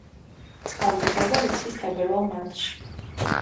წყალდიდობა იცის თებერვალ-მარტში.